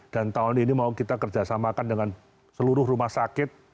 dan tahun ini mau kita kerjasamakan dengan seluruh rumah sakit